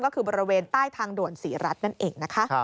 ก็คือบริเวณใต้ทางด่วนศรีรัฐนั่นเองนะคะ